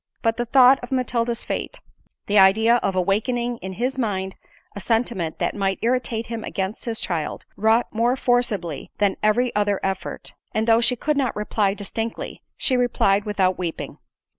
But the thought of Matilda's fate—the idea of awakening in his mind a sentiment that might irritate him against his child, wrought more forcibly than every other effort; and though she could not reply distinctly, she replied without weeping.